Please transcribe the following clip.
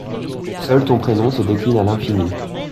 Seul ton prénom se décline à l’infini.